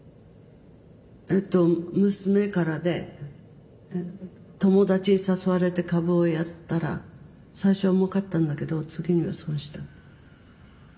えっと娘からで「友達に誘われて株をやったら最初はもうかったんだけど次には損した」って。